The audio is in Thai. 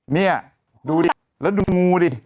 นี่ดูดิแล้วดูงูดิ